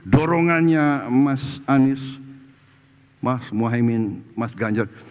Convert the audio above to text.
dorongannya mas anies mas muhaymin mas ganjar